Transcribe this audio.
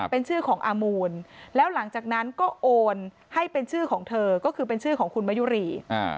เป็นชื่อของอามูลแล้วหลังจากนั้นก็โอนให้เป็นชื่อของเธอก็คือเป็นชื่อของคุณมะยุรี